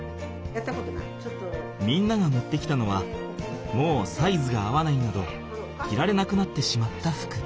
みんなが持ってきたのはもうサイズが合わないなど着られなくなってしまった服。